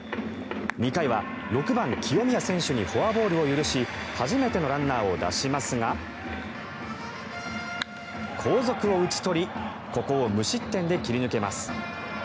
２回は６番、清宮選手にフォアボールを許し初めてのランナーを出しますが後続を打ち取りここを無失点で切り抜けます。